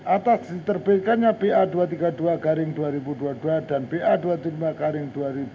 atas diterbitkannya ba dua ratus tiga puluh dua garing dua ribu dua puluh dua dan ba dua puluh lima garing dua ribu dua puluh